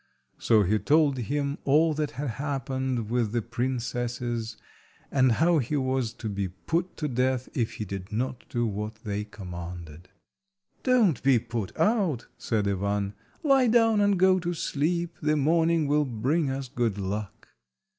So he told him all that had happened with the princesses, and how he was to be put to death if he did not do what they commanded. "Don't be put out," said Ivan; "lie down and go to sleep. The morning will bring us good luck."